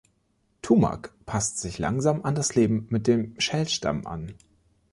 Tumak passt sich langsam an das Leben mit dem Shell-Stamm an.